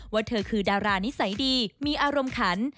ว่าเธอคือดารานิสัยดีมีอารมณ์ขัน